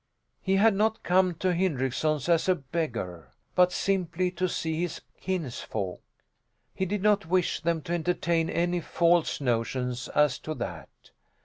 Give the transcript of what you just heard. He had not come to the Hindricksons as a beggar, but simply to see his kinsfolk. He did not wish them to entertain any false notions as to that.